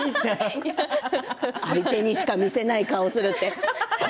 相手にしか見せない顔って。